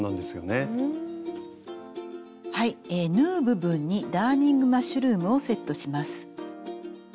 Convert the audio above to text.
縫う部分にダーニングマッシュルームをセットします。